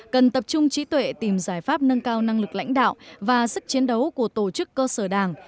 cần tập trung trí tuệ tìm giải pháp nâng cao năng lực lãnh đạo và sức chiến đấu của tổ chức cơ sở đảng